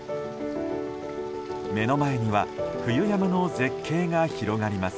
目の前には冬山の絶景が広がります。